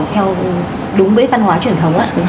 theo đúng với văn hóa truyền thống